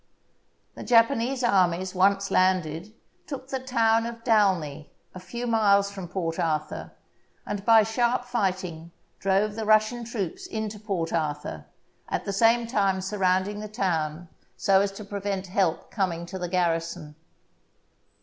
The Japanese armies, once landed, took the town of Dalny, a few miles from Port Arthur, and by sharp fighting drove the Russian troops into Port Arthur, at the same time surrounding the town so as to prevent help coming to the garrison.